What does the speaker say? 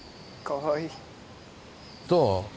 どう？